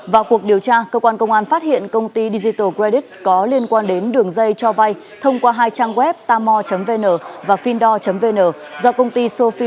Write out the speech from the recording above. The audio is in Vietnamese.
vào cuộc điều tra cơ quan công an phát hiện công ty digital credit có liên quan đến đường dây cho vay thông qua hai trang web tamo vn và findor vn do công ty sofiel